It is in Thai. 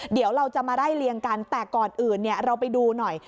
เดี๋ยวเราจะมาไล่เลี่ยงกันแต่ก่อนอื่นเราไปดูหน่อย